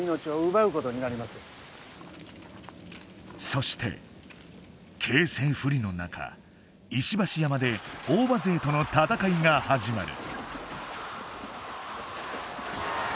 そして形勢不利の中石橋山で大庭勢との戦いが始まる。